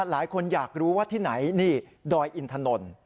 หลายคนอยากรู้ว่าที่ไหนนี่ดอยอินถนน